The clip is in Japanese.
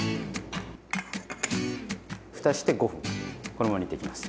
ふたして５分このまま煮ていきます。